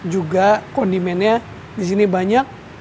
juga kondimennya di sini banyak